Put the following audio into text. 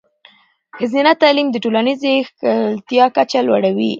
ښځینه تعلیم د ټولنیزې ښکیلتیا کچه لوړوي.